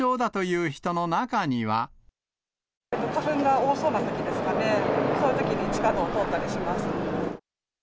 花粉が多そうなときですかね、こういうときに地下道を通ったりします。